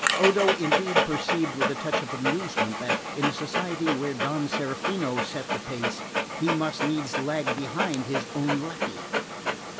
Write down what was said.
Odo indeed perceived with a touch of amusement that, in a society where Don Serafino set the pace, he must needs lag behind his own lacquey.